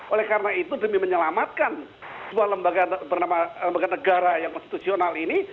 oleh karena itu demi menyelamatkan sebuah lembaga negara yang konstitusional ini